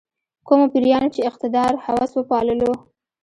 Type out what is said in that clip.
کومو پیریانو چې اقتدار هوس وپاللو.